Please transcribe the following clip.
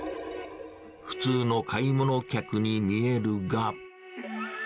普通の買い物客に見えるが。